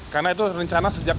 karena itu rencana sejak u dua puluh